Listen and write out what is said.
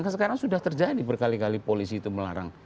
karena sekarang sudah terjadi berkali kali polisi itu melarang